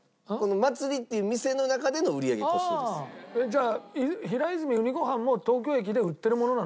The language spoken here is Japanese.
じゃあ平泉うにごはんも東京駅で売ってるものなのね。